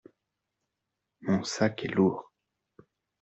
Mon sac est lourd.